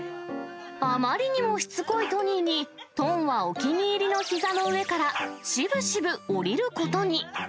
あまりにもしつこいトニーは、トンはお気に入りのひざの上からしぶしぶ下りることに。